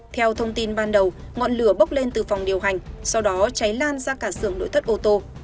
theo thông tin ban đầu ngọn lửa bốc lên từ phòng điều hành sau đó cháy lan ra cả sưởng nội thất ô tô